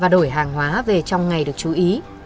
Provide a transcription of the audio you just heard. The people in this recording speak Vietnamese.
đổi hàng hóa về trong ngày được chú ý